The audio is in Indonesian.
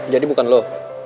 jadi bukan lo